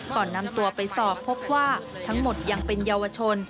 ก่อนนำตัวไปสอบพบว่าทั้งหมดยังเป็นเยาวชน